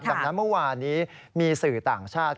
ดังนั้นเมื่อวานนี้มีสื่อต่างชาติ